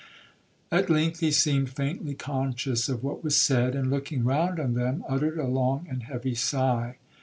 At length he seemed faintly conscious of what was said, and, looking round on them, uttered a long and heavy sigh.